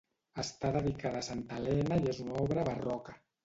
Està dedicada a Santa Elena i és una obra barroca.